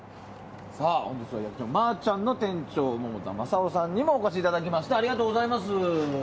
まちゃんの店長百田正雄さんにもお越しいただきました。